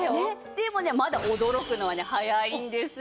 でもねまだ驚くのはね早いんですよ。